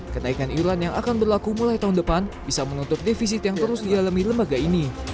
kenaikan iuran yang akan berlaku mulai tahun depan bisa menutup defisit yang terus dialami lembaga ini